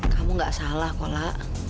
kamu gak salah kola